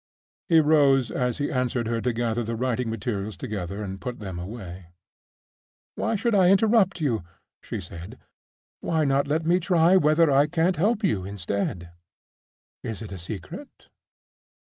He rose as he answered her to gather the writing materials together and put them away. "Why should I interrupt you?" she said. "Why not let me try whether I can't help you instead? Is it a secret?"